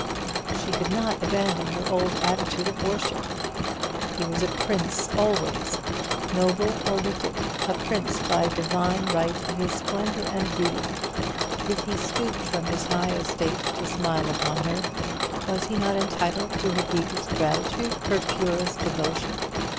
She could not abandon her old attitude of worship. He was a prince always noble or wicked a prince by divine right of his splendour and beauty! If he stooped from his high estate to smile upon her, was he not entitled to her deepest gratitude, her purest devotion?